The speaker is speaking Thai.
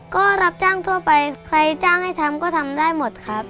ก็รับจ้างทั่วไปใครจ้างให้ทำก็ทำได้หมดครับ